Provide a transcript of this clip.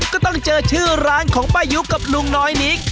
ก็ต้องเจอชื่อร้านของป้ายุกับลุงน้อยนิก